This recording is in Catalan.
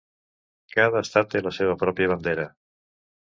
Cada estat té la seva pròpia bandera.